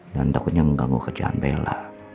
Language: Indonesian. dan takutnya mengganggu kerjaan bella